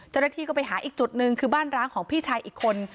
เจ้าหน้าที่ก็ไปหาอีกจุดหนึ่งคือบ้านร้างของพี่ชายอีกคน